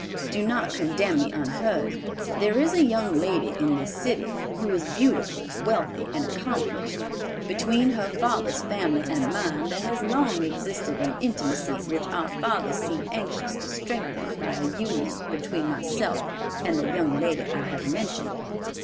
"Do not condemn me unheard. There is a young lady in this city, who is beautiful, wealthy and accomplished. Between her father's family and mine there has long existed an intimacy which our fathers seem anxious to strengthen by a union between myself and the young lady I have mentioned.